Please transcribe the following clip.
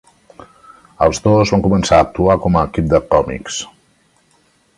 Els dos van començar a actuar com equip de còmics.